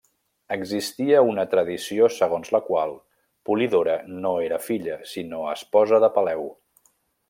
Existia una tradició segons la qual Polidora no era filla, sinó esposa de Peleu.